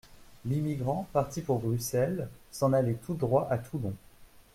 L'émigrant, parti pour Bruxelles, s'en allait tout droit à Toulon.